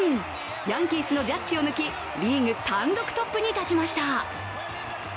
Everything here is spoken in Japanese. ヤンキースのジャッジを抜きリーグ単独トップに立ちました。